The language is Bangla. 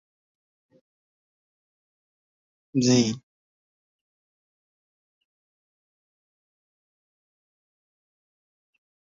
প্রত্যেক ওয়েবসাইটের একটি নির্দিষ্ট আইপি ঠিকানা থাকে।